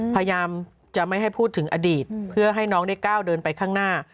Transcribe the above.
พยายามจะไม่ให้พูดถึงอดีตเพื่อให้น้องได้ก้าวเดินไปข้างหน้า